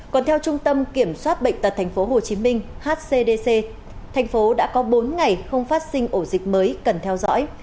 còn theo trung tâm kiểm soát bệnh tật tp hcm hcdc thành phố đã có bốn ngày không phát sinh ổ dịch mới cần theo dõi